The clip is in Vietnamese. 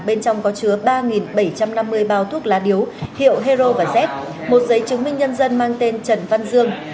bên trong có chứa ba bảy trăm năm mươi bao thuốc lá điếu hiệu hero và z một giấy chứng minh nhân dân mang tên trần văn dương